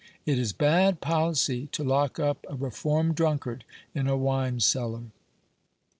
It is bad policy to lock up a reformed drunkard in a wine cellar.